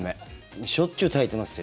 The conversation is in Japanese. しょっちゅう炊いてますよ